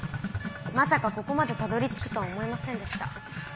まさかここまでたどり着くとは思いませんでした。